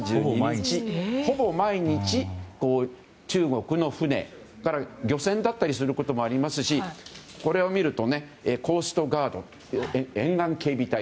ほぼ毎日、中国の船漁船だったりすることもありますしこれを見ると、コーストガード沿岸警備隊。